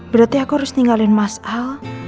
berarti aku harus tinggalin mas al